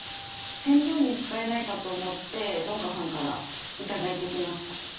染料に使えないかと思って農家さんから頂いてきました。